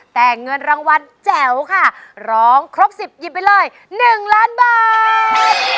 แต่เงินรางวัลแจ๋วค่ะร้องครบ๑๐หยิบไปเลย๑ล้านบาท